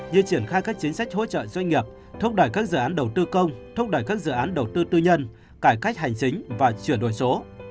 như triển khai các chính sách hỗ trợ doanh nghiệp thúc đẩy các dự án đầu tư công thúc đẩy các dự án đầu tư tư nhân cải cách hành chính và chuyển đổi số